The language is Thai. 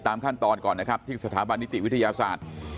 ขั้นตอนก่อนนะครับที่สถาบันนิติวิทยาศาสตร์